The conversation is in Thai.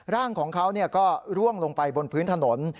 ร่างของเขาก็ร่วงลงไปบนพื้นถนน